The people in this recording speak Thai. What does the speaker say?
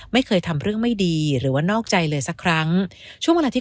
ไม่เคยทำเรื่องไม่ดีหรือว่านอกใจเลยสักครั้งช่วงเวลาที่